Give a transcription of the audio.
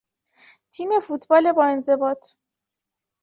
تیم فوتبال با انضباط